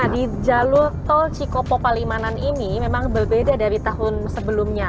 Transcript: di jalur tol cikopo palimanan ini memang berbeda dari tahun sebelumnya